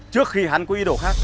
trước khi hắn có ý đồ khác